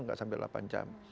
nggak sampai delapan jam